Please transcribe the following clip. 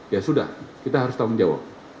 ya sudah kita harus tahu menjawab